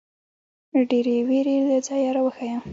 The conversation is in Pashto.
ډېـرې وېـرې له ځايـه راويـښه.